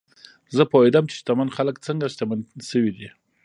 زه پوهېدم چې شتمن خلک څنګه شتمن شوي دي.